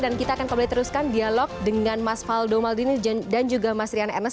dan kita akan kembali teruskan dialog dengan mas fadlo maldini dan juga mas rian ernest